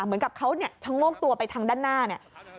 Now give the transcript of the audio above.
เหมือนกับเขาเนี่ยชะโงกตัวไปทางด้านหน้าเนี่ย